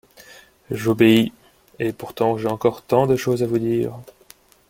J’obéis… et pourtant j’ai encore tant de choses à vous dire…